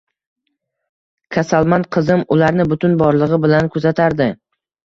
Kasalmand qizim ularni butun borlig`i bilan kuzatardi